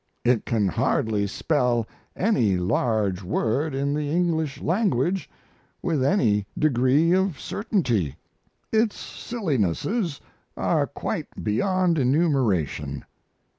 It can hardly spell any large word in the English language with any degree of certainty. Its sillinesses are quite beyond enumeration.